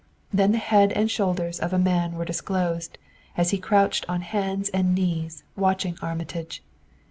Then the head and shoulders of a man were disclosed as he crouched on hands and knees, watching Armitage.